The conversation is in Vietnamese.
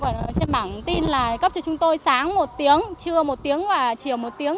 thì tòa nhà họ thông báo trên bảng tin là cấp cho chúng tôi sáng một tiếng trưa một tiếng và chiều một tiếng